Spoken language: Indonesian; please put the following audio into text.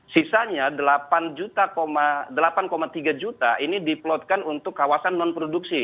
sisanya delapan tiga juta ini diplotkan untuk kawasan non produksi